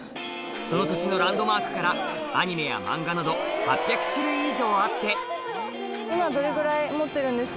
その土地のランドマークからアニメや漫画など８００種類以上あって面白いじゃんと思って。